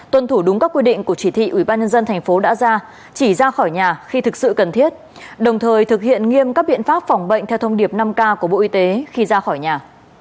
tuân thủ đúng các quy định của chỉ thị ubnd tp đã ra chỉ ra khỏi nhà khi thực sự cần thiết đồng thời thực hiện nghiêm các biện pháp phòng bệnh theo thông điệp năm k của bộ y tế khi ra khỏi nhà